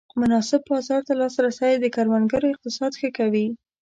مناسب بازار ته لاسرسی د کروندګر اقتصاد ښه کوي.